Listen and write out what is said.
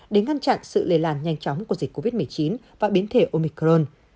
để ngăn chặn sự lề làn nhanh chóng của dịch covid một mươi chín và biến thể omicron